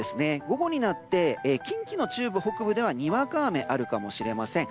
午後になって近畿の中部北部ではにわか雨があるかもしれません。